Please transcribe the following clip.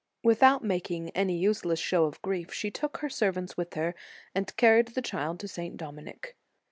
Without making any useless show of grief, she took her servants with her, and carried the child to St. Dominic.